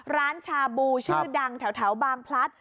ร้านชาบูชื่อดังแถวบางพลัด